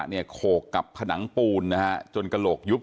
เนี่ยโขกกับผนังปูนนะฮะจนกระหรกยุบ